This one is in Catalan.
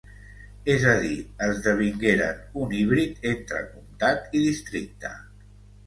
És a dir, esdevingueren un híbrid entre comtat i districte.